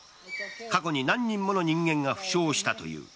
過去に何人もの人間が負傷したという。